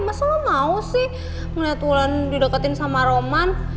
masa lo mau sih ngeliat wulan dideketin sama roman